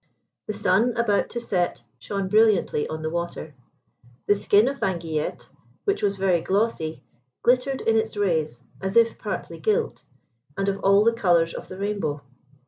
The sun, about to set, shone brilliantly on the water. The skin of Anguillette, which was very glossy, glittered in its rays as if partly gilt and of all the colours of the rainbow.